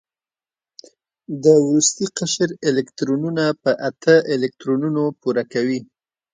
د وروستي قشر الکترونونه په اته الکترونونو پوره کوي.